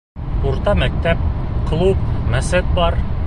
Урта мәктәп, клуб, мәсет бар.